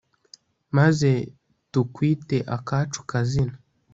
maze tukwite akacu kazina